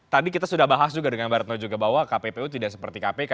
tadi kita sudah bahas juga dengan mbak retno juga bahwa kppu tidak seperti kpk